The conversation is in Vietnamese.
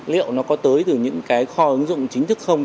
liệu nó có tới từ những cái kho ứng dụng chính thức không